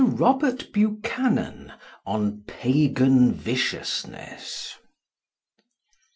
ROBERT BUCHANAN ON PAGAN VICIOUSNESS.